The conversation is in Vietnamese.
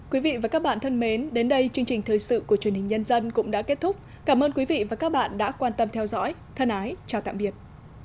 quý vị và các bạn thân mến đến đây chương trình thời sự của truyền hình nhân dân cũng đã kết thúc cảm ơn quý vị và các bạn đã quan tâm theo dõi thân ái chào tạm biệt